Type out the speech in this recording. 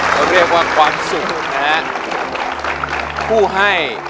เขาเรียกว่าความสุขนะ